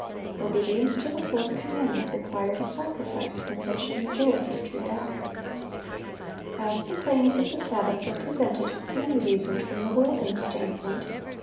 Obedience to the fourth commandment required a sacrifice from which the majority drew back. As the claims of the Sabbath were presented, many reasoned from the worldling's standpoint.